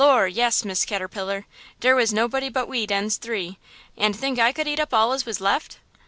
"Lor', yes, Miss Caterpillar; dere was nobody but we dens three, and think I could eat up all as was left?"